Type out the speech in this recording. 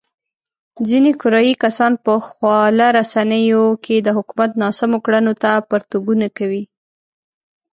ځنې کرايي کسان په خواله رسينو کې د حکومت ناسمو کړنو ته پرتوګونه کوي.